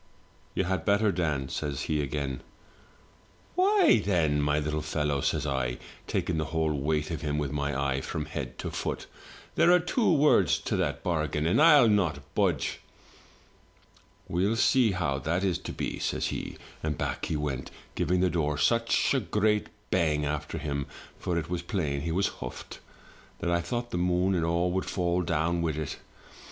" 'You had better, Dan,' says he again. " 'Why, then, my Uttle fellow,' says I, taking the whole weight of him with my eye from head to foot, 'there are two words to that bargain; and I'll not budge!' " 'We'll see how that is to be,' says he; and back he went, giving the door such a great bang after him (for it was plain he was huffed) that I thought the moon and all would fall down with it.